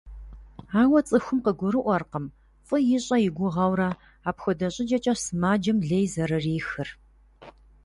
Ауэ цӀыхум къыгурыӀуэркъым, фӀы ищӀэ и гугъэурэ, апхуэдэ щӀыкӀэкӀэ сымаджэм лей зэрырихыр.